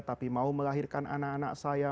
tapi mau melahirkan anak anak saya